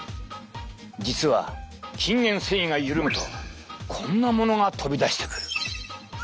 実は筋原線維が緩むとこんなものが飛び出してくる。